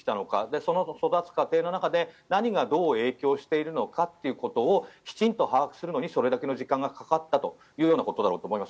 その育つ過程の中で何がどう影響しているのかということをきちんと把握するのにそれだけの時間がかかったということだと思います。